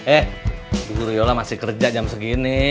eh guru yola masih kerja jam segini